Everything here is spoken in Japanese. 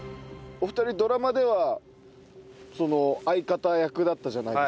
お二人ドラマでは相方役だったじゃないですか。